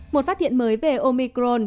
một phát hiện mới về omicron